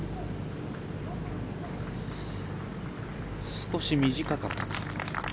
少し短かったか。